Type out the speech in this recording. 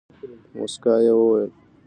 په موسکا یې وویل.